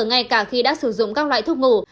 ngay cả khi đã sử dụng các loại thuốc ngủ